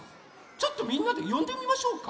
ちょっとみんなでよんでみましょうか。